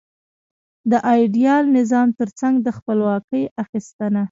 د ایډیال نظام ترڅنګ د خپلواکۍ اخیستنه.